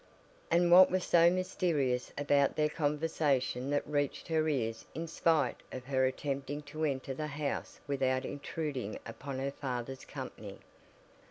And what was so mysterious about their conversation that reached her ears in spite of her attempting to enter the house without intruding upon her father's company?